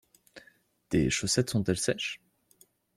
Tes chaussettes sont-elles sèches?